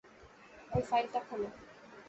ঐ ফাইলটা খোলো।